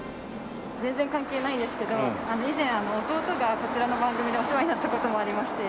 全然関係ないんですけど以前弟がこちらの番組でお世話になった事もありまして。